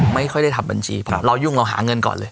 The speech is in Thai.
ไม่ค่อยได้ทำบัญชีเพราะเรายุ่งเราหาเงินก่อนเลย